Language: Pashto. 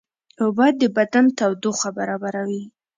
اوبه د بدن تودوخه برابروي